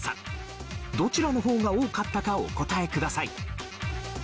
どちらの方が多かったかをお答えください。